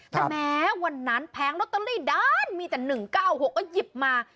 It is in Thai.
แต่แม้วันนั้นแผงลอตเตอรี่ด้านมีแต่๑๙๖ก็หยิบมา